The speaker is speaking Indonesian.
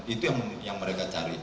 itu yang mereka cari